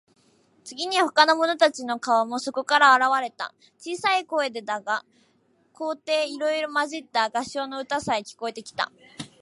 次に、ほかの者たちの顔もそこから現われた。小さい声でだが、高低いろいろまじった合唱の歌さえ、聞こえてきた。